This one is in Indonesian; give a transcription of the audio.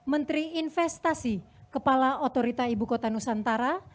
menteri investasi kepala otorita ibu kota nusantara